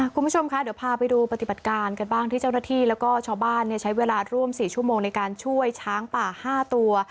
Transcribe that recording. คุณผู้ชมคะเดี๋ยวพาไปดูปฏิบัติการกันบ้างที่เจ้าหน้าที่แล้วก็ชาวบ้านใช้เวลาร่วม๔ชั่วโมงในการช่วยช้างป่า๕ตัว